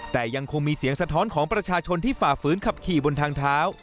แต่ยังคงมีเสียงสะท้อนของประชาชนที่ฝ่าฝืนขับขี่บนทางเท้า